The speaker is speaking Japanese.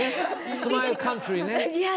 スマイルカントリーね？